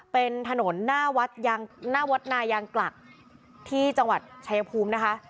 เป็นถนนหน้าวัดหน้าวัดนายางกลักที่จังหวัดชายภูมินะคะ